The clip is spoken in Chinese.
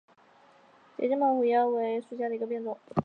睫毛金腰为虎耳草科金腰属下的一个变种。